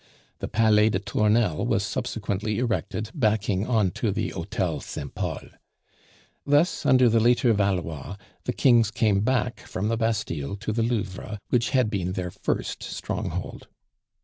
The Palais des Tournelles was subsequently erected backing on to the Hotel Saint Pol. Thus, under the later Valois, the kings came back from the Bastille to the Louvre, which had been their first stronghold.